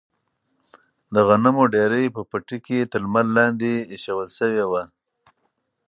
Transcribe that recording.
د غنمو ډیرۍ په پټي کې تر لمر لاندې ایښودل شوې وه.